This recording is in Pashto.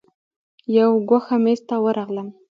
یو ګوښه میز ته ورغلم.